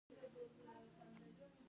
افغانستان د منی کوربه دی.